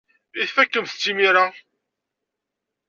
I tfakemt-t imir-a?